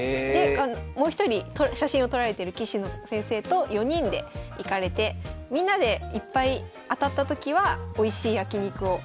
もう一人写真を撮られてる棋士の先生と４人で行かれてみんなでいっぱい当たった時はおいしい焼き肉を。